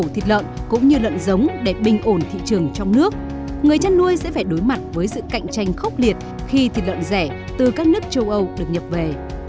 thì chăn nuôi sẽ phải đối mặt với sự cạnh tranh khốc liệt khi thịt lợn rẻ từ các nước châu âu được nhập về